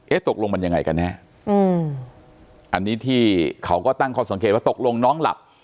เอ๊ะตกลงมันยังไงกันฮะอันนี้ที่เขาก็ตั้งความสังเกตว่าตกลงน้องหลับ